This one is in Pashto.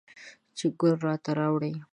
چې ګل راته راوړي